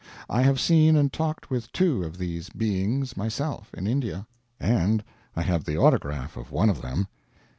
I have seen and talked with two of these Beings myself in India, and I have the autograph of one of them.